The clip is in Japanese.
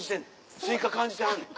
スイカ感じてはんねん。